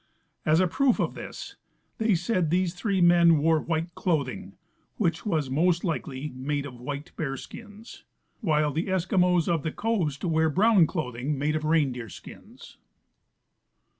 As a proof of this they said these three men wore white clotbing, which was most likely made of white bear skins, while the Eskimo of the coast wear brown clothing made of reindeer skins.